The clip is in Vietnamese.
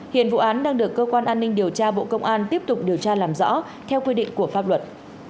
hiện vụ án đang được cơ quan an ninh điều tra bộ công an tiếp tục điều tra làm rõ theo quy định của pháp luật